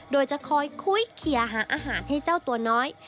โดยจะคอยคุยเคลียร์หาอาหารให้เจ้าตัวน้อย